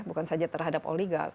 bukan saja terhadap oligal